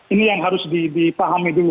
ini yang harus dipahami dulu